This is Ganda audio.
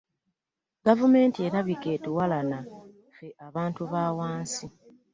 Gavumenti erabika etuwalana ffe abantu b'awansi